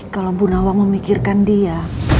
kalau bu nawa memikirkan dia